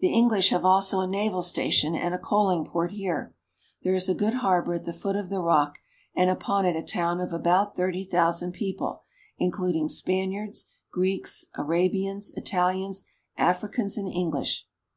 The English have also a naval station and a coaling port here. There is a good harbor at the foot of the rock, and upon it a town of about thirty thousand people, including Spaniards, Greeks, Arabians, Italians, Africans, and Eng lish.